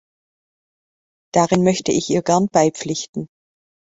Darin möchte ich ihr gern beipflichten.